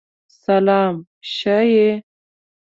سلام شه یی!